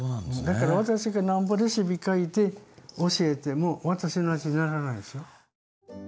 だから私がなんぼレシピ書いて教えても私の味にならないですよ。